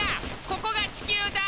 ここが地球だ！